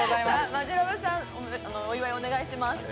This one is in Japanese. マヂラブさん、お願いします。